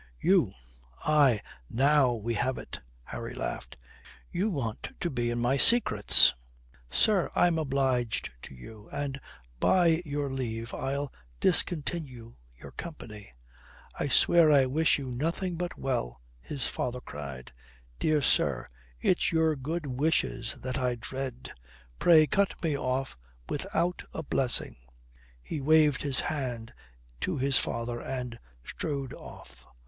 You " "Aye, now we have it!" Harry laughed. "You want to be in my secrets. Sir, I'm obliged to you, and by your leave I'll discontinue your company." "I swear I wish you nothing but well," his father cried. "Dear sir, it's your good wishes that I dread. Pray cut me off without a blessing." He waved his hand to his father and strode off.